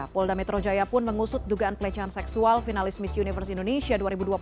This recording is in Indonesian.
polda metro jaya pun mengusut dugaan pelecehan seksual finalis miss universe indonesia dua ribu dua puluh